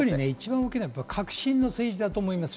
大きいのは革新の政治だと思います。